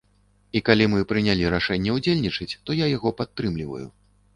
І калі мы прынялі рашэнне ўдзельнічаць, то я яго падтрымліваю.